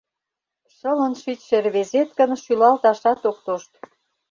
Шылын шичше рвезет гын шӱлалташат ок тошт.